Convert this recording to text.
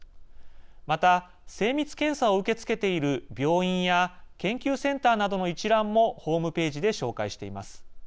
また、精密検査を受け付けている病院や研究センターなどの一覧もホームページで紹介しています。